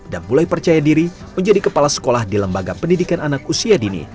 dan mulai percaya diri menjadi kepala sekolah di lembaga pendidikan anak usia dini